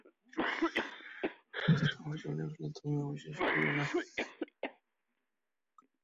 রমেশ বলিয়া উঠিল, তুমি আমাকে অবিশ্বাস করিয়ো না।